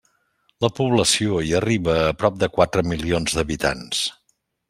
La població hi arriba a prop de quatre milions d'habitants.